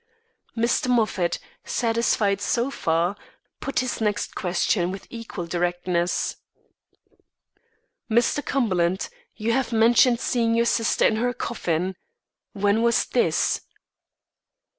Mr. Moffat, satisfied so far, put his next question with equal directness: "Mr. Cumberland, you have mentioned seeing your sister in her coffin. When was this?"